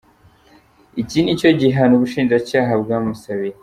Iki nicyo gihano ubushinjacyaha bwamusabiye.